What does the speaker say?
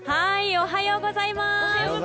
おはようございます。